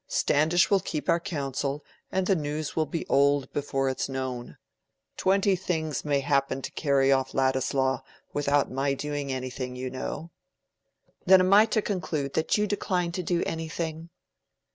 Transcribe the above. Standish will keep our counsel, and the news will be old before it's known. Twenty things may happen to carry off Ladislaw—without my doing anything, you know." "Then I am to conclude that you decline to do anything?"